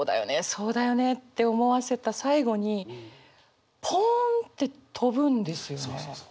そうだよねって思わせた最後にポンって飛ぶんですよね。